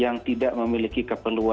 yang tidak memiliki keperluan